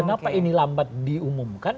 kenapa ini lambat diumumkan